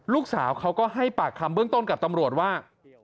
ลูกสาวเขาก็ให้ปากคำเบื้องต้นกับตำรวจว่า